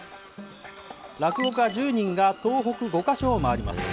落語家１０人が東北５か所を回ります。